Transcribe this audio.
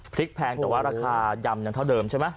แพงแต่ว่าราคายำยังเท่าเดิมใช่ไหม